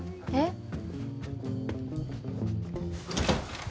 えっ？